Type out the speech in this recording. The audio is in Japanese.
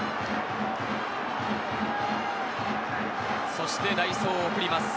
そして代走を送ります。